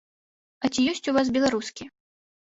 А ці ёсць у вас беларускі?